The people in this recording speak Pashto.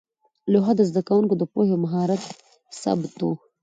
لوحه د زده کوونکو د پوهې او مهارت ثبت وه.